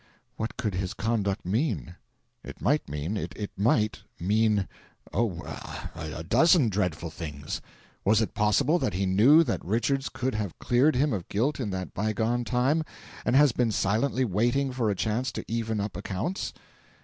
What could his conduct mean? It might mean it might mean oh, a dozen dreadful things. Was it possible that he knew that Richards could have cleared him of guilt in that bygone time, and had been silently waiting for a chance to even up accounts?